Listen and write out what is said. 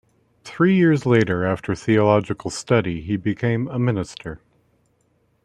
Three years later after theological study, he became a minister.